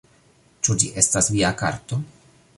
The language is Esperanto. Ĉu ĝi estas via karto?